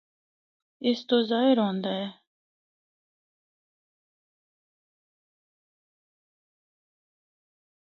اس تو ظاہر ہوندا اے۔